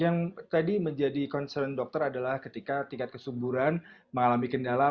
yang tadi menjadi concern dokter adalah ketika tingkat kesuburan mengalami kendala